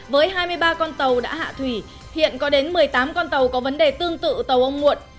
với hai mươi ba con tàu đã hạ thủy hiện có đến một mươi tám con tàu có vấn đề tương tự tàu ông muộn